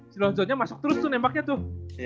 si lonzo nya masuk terus tuh nembaknya tuh